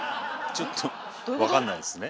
ちょっと分かんないっすね。